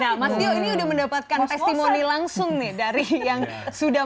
nah mas dio ini sudah mendapatkan testimoni langsung nih